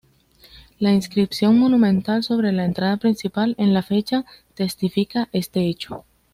La inscripción monumental sobre la entrada principal en la fecha testifica este hecho.